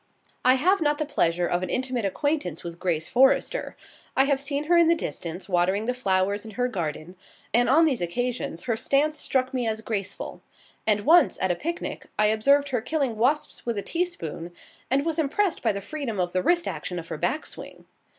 I have not the pleasure of an intimate acquaintance with Grace Forrester. I have seen her in the distance, watering the flowers in her garden, and on these occasions her stance struck me as graceful. And once, at a picnic, I observed her killing wasps with a teaspoon, and was impressed by the freedom of the wrist action of her back swing.